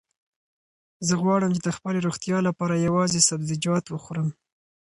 زه غواړم چې د خپلې روغتیا لپاره یوازې سبزیجات وخورم.